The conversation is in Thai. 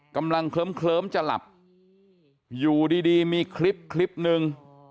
กำลังเคลิ้มจะหลับอยู่ดีมีคลิปคลิปหนึ่ง